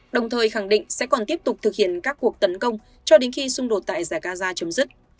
đồng thời khẳng định sẽ còn tiếp tục thực hiện các cuộc tấn công cho đến khi xung đột tại giải gaza chấm dứt